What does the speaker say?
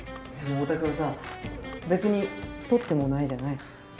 でもオオタ君さ別に太ってもないじゃない。